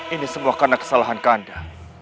ini semua karena kesalahan kanda